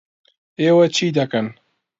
ئێوە چی دەکەن؟